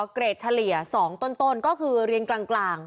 เกรดเฉลี่ย๒ต้นก็คือเรียนกลาง